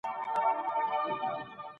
مثبت فکر وخت نه خرابوي.